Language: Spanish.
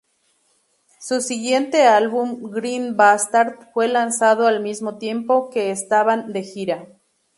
Su siguiente álbum, "Grind Bastard", fue lanzado al mismo tiempo que estaban de gira.